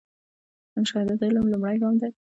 مشاهده د علم لومړی ګام دی